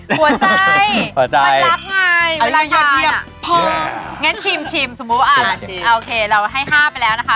หัวใจมันรักไงเวลาทานอะพองั้นชิมสมมุติว่าอะโอเคเราให้๕ไปแล้วนะคะ